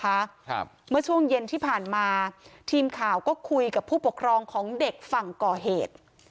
ครับเมื่อช่วงเย็นที่ผ่านมาทีมข่าวก็คุยกับผู้ปกครองของเด็กฝั่งก่อเหตุ